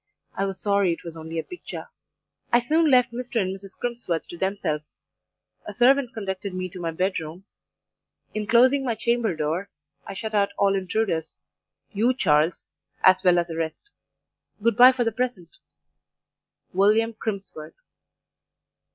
I was sorry it was only a picture. "I soon left Mr. and Mrs. Crimsworth to themselves; a servant conducted me to my bed room; in closing my chamber door, I shut out all intruders you, Charles, as well as the rest. "Good bye for the present, "WILLIAM CRIMSWORTH."